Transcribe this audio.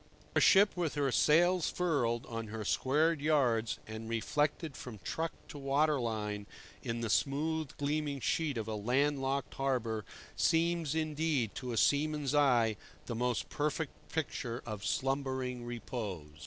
For a ship with her sails furled on her squared yards, and reflected from truck to water line in the smooth gleaming sheet of a landlocked harbour, seems, indeed, to a seaman's eye the most perfect picture of slumbering repose.